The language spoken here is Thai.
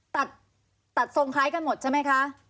ตัดทรงคล้ายกันหมดใช่ไหมคะ